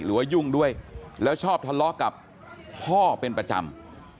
ยุ่งด้วยแล้วชอบทะเลาะกับพ่อเป็นประจำ